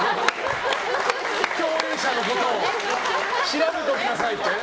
共演者のことを調べておきなさいって。